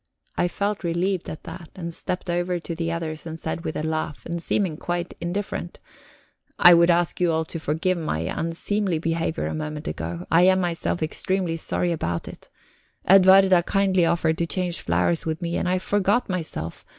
I felt relieved at that, and I stepped over to the others and said with a laugh, and seeming quite indifferent: "I would ask you all to forgive my unseemly behavior a moment ago; I am myself extremely sorry about it. Edwarda kindly offered to change flowers with me, and I forgot myself.